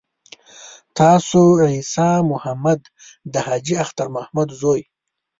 تاسو عیسی محمد د حاجي اختر محمد زوی.